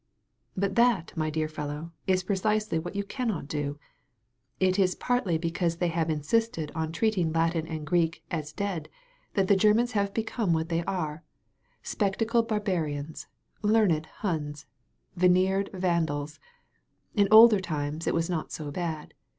"But that, my dear fellow, is precisely what you cannot do. It is partly because they have insisted 188 A CLASSIC INSTANCE on treating Latin and Greek as dead that the Grer* mans have become what they are — spectacled bar barians, learned Hims, veneered Vandals. In older times it was not so bad.